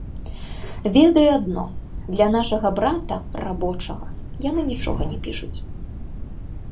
Ведаю адно, для нашага брата, рабочага, яны нічога не пішуць.